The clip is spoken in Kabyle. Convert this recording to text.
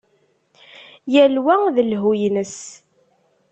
Yal wa d llhu-ines.